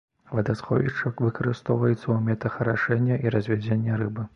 Вадасховішча выкарыстоўваецца ў мэтах арашэння і развядзення рыбы.